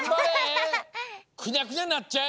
くにゃくにゃなっちゃえ！